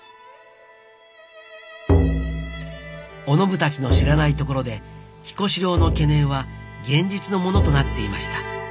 お信たちの知らないところで彦四郎の懸念は現実のものとなっていました